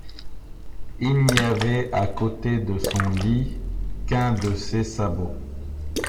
Il n’y avait à côté de son lit qu’un de ses sabots.